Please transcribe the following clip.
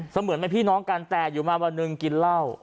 เหมือนเป็นพี่น้องกันแต่อยู่มาวันหนึ่งกินเหล้า